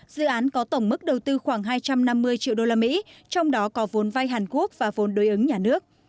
dự án có tổng mức đầu tư khoảng hai trăm năm mươi triệu usd trong đó có vốn vay hàn quốc và vốn đối ứng nhà nước